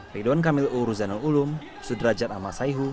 redon kamil uruzanul ulum sudrajat amasaihu